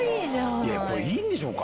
いや、いいんでしょうか。